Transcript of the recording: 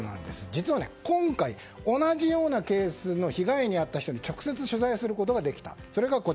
実は、今回、同じようなケースの被害に遭った人に直接、取材することができた。